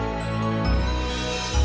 aku akan melakuin makas persian